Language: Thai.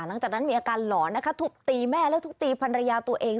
หลังจากนั้นมีอาการหลอนนะคะทุบตีแม่แล้วทุบตีภรรยาตัวเอง